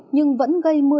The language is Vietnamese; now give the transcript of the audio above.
nhưng vẫn gây mưa